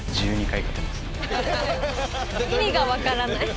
意味が分からない。